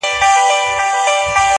چا له بېري هلته سپوڼ نه سو وهلاى؛